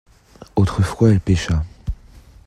Autrefois elle pêcha.